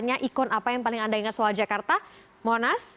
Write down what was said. menurut saya ikon yang paling diingat di jakarta adalah monas